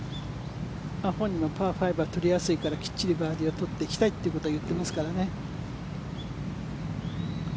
本人もパー５は取りやすいからきっちりバーディーを取っていきたいということは言ってますからね。